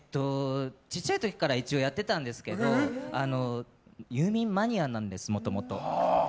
小さい時から一応やってたんですけどユーミンマニアなんですもともと。